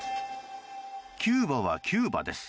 キューバはキューバです。